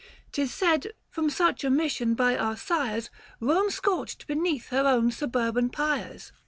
585 'Tis said — from such omission by our sires Home scorched beneath her own suburban pyres.